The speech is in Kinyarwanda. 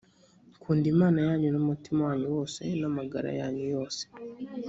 kunda imana yanyu n’umutima wanyu wose, n’amagara yanyu yose.